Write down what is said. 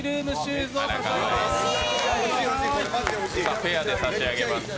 ペアで差し上げます。